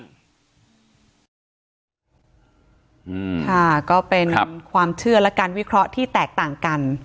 ค่ะก็เป็นความเชื่อและการวิเคราะห์ที่แตกต่างกัน